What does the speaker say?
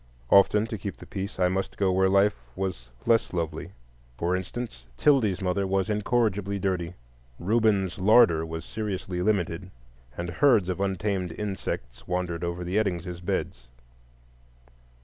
Often, to keep the peace, I must go where life was less lovely; for instance, 'Tildy's mother was incorrigibly dirty, Reuben's larder was limited seriously, and herds of untamed insects wandered over the Eddingses' beds.